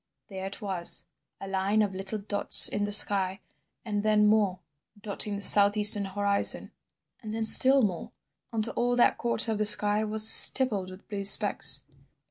There it was—a line of little dots in the sky—and then more, dotting the south eastern horizon, and then still more, until all that quarter of the sky was stippled with blue specks.